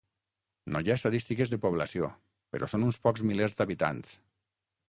No hi ha estadístiques de població però són uns pocs milers d'habitants.